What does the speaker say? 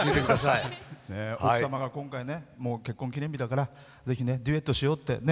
奥様が結婚記念日だからぜひ、デュエットしようってね。